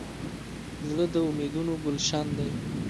زړه د امیدونو ګلشن دی.